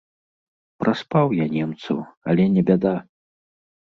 Праспаў я немцаў, але не бяда.